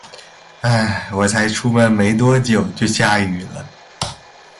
呃，我才出门没多久，就下雨了